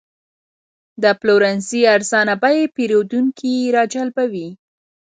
د پلورنځي ارزانه بیې پیرودونکي راجلبوي.